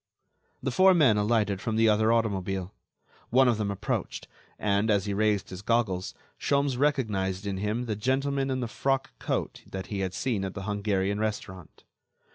The four men alighted from the other automobile. One of them approached, and, as he raised his goggles, Sholmes recognized in him the gentleman in the frock coat that he had seen at the Hungarian restaurant.